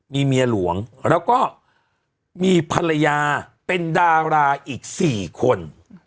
มีเมียหลวงแล้วก็มีภรรยาเป็นดาราอีก๔คน